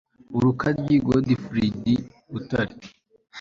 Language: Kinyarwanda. Urukaryi Godifridi Butare